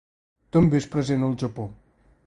També és present al Japó.